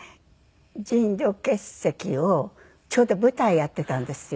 腎臓結石をちょうど舞台やってたんですよ